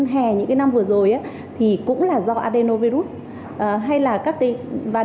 hề những năm vừa rồi cũng là do andenovirus